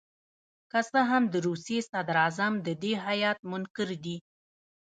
که څه هم د روسیې صدراعظم د دې هیات منکر دي.